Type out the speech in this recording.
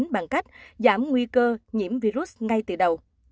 bằng cách giảm nguy cơ nhiễm virus ngay từ đầu